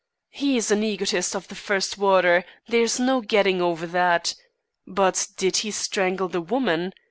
He's an egotist, of the first water; there is no getting over that. But did he strangle the woman?